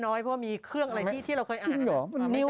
เพราะว่ามีเครื่องอะไรที่เราเคยอ่านเหรอ